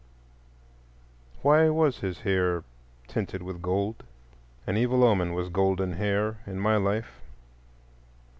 Why was his hair tinted with gold? An evil omen was golden hair in my life.